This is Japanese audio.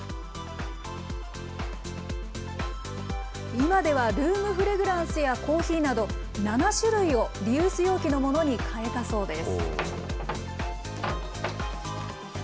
今ではルームフレグランスやコーヒーなど、７種類をリユース容器のものに変えたそうです。